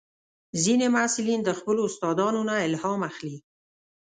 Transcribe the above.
ځینې محصلین د خپلو استادانو نه الهام اخلي.